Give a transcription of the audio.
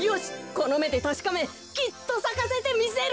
このめでたしかめきっとさかせてみせる！